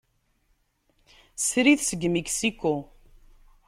Srid seg Mixico.